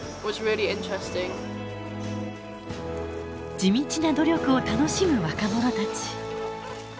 地道な努力を楽しむ若者たち。